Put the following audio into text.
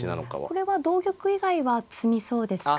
これは同玉以外は詰みそうですか。